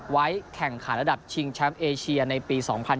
แข่งขันระดับชิงแชมป์เอเชียในปี๒๐๑๖